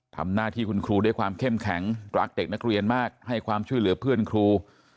ทำหน้าที่คุณครูด้วยความเข้มแข็งรักเด็กนักเรียนมากให้ความช่วยเหลือเพื่อนครู